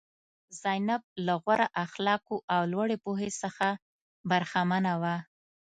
زینب له غوره اخلاقو او لوړې پوهې څخه برخمنه وه.